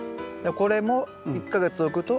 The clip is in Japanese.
これも１か月置くと甘くなる？